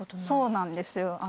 そうなんですよ